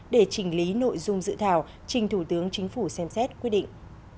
để chỉnh lý nội dung dự thảo trình thủ tướng chính phủ xem xét quyết định